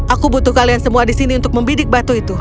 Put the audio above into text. aku butuh kalian semua di sini untuk membidik batu itu